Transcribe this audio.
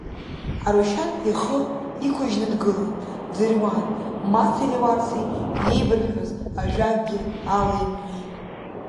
Арушьан ихы иқәыжьны дгылан дӡырҩуан, Маци Леуарсеи еибырҳәаз ажәакгьы алеимҳәеит.